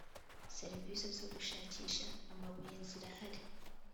serivisi zo gushakisha amabuye zirahari.